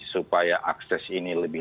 supaya akses ini lebih